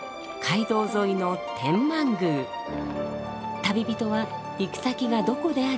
旅人は行く先がどこであれ